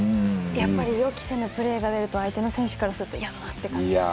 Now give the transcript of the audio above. やっぱり予期せぬプレーが出ると相手の選手からすると嫌だなって感じですか？